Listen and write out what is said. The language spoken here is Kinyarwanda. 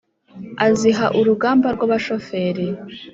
aziha urugamba rw’abashoferi